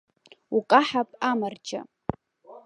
Укаҳап, амарџьа!